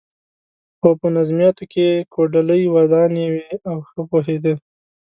خو په نظمیاتو کې یې کوډلۍ ودانې وې او ښه پوهېده.